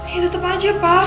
ya tetep aja pak